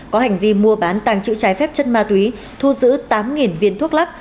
có hành vi mua bán tàng chữ trái phép chân ma túy thu giữ tám viên thuốc lắc